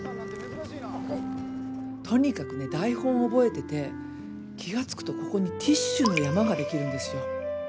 とにかくね台本覚えてて気が付くとここにティッシュの山ができるんですよ。